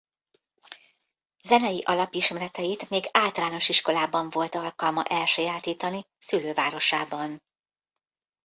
Zenei alapismereteit még általános iskolában volt alkalma elsajátítani szülővárosában.